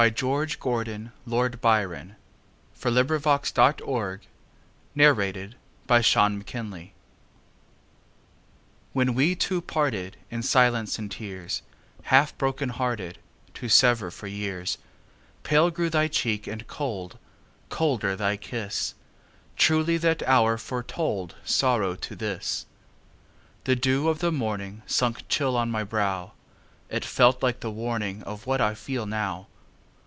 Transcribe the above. George Gordon, Lord Byron 468. When We Two Parted WHEN we two partedIn silence and tears, Half broken hearted, To sever for years, Pale grew thy cheek and cold, Colder thy kiss; Truly that hour foretoldSorrow to this! The dew of the morningSunk chill on my brow; It felt like the warningOf what I feel now.